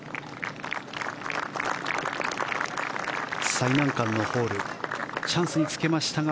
最難関のホールチャンスにつけましたが